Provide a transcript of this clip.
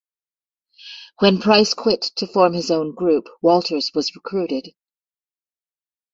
When Price quit to form his own group, Walters was recruited.